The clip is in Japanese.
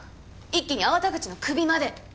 一気に粟田口の首まで！